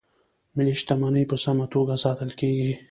ملي شتمنۍ په سمه توګه ساتل کیږي.